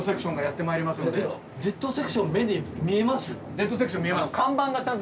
デッドセクション見えます。